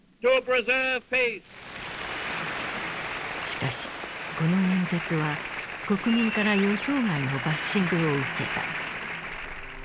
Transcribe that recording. しかしこの演説は国民から予想外のバッシングを受けた。